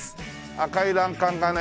赤い欄干がね